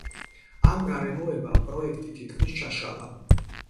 ამ გარემოებამ პროექტი თითქმის ჩაშალა.